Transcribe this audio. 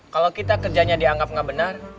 kalo kita kerjanya dianggap gak benar